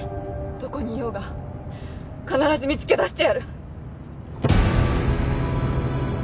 どこにいようが必ず見つけ出してやる！